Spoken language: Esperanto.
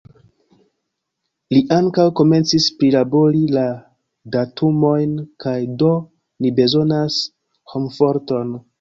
Li ankaŭ komencis prilabori la datumojn kaj do ni bezonas homforton.